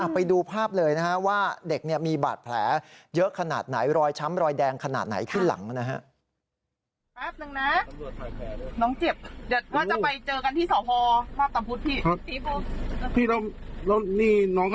ไปดูภาพเลยนะฮะว่าเด็กมีบาดแผลเยอะขนาดไหนรอยช้ำรอยแดงขนาดไหนที่หลังนะฮะ